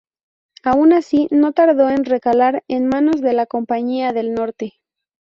Aun así, no tardó en recalar en manos de la Compañía del Norte.